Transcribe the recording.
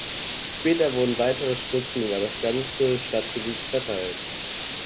Später wurden weitere Spritzen über das ganze Stadtgebiet verteilt.